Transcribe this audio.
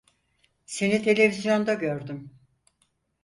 Seni televizyonda gördüm.